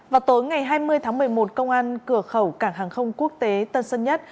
vào tối ngày hai mươi tháng một mươi một công an cửa khẩu cảng hàng không quốc tế tân sơn nhất